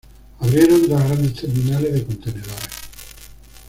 Abrieron dos grandes terminales de contenedores.